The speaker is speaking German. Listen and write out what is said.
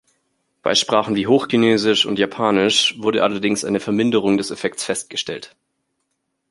Bei Sprachen wie Hochchinesisch und Japanisch wurde allerdings eine Verminderung des Effekts festgestellt.